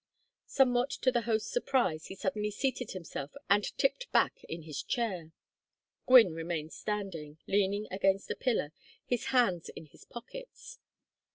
Somewhat to the host's surprise he suddenly seated himself and tipped back his chair. Gwynne remained standing, leaning against a pillar, his hands in his pockets.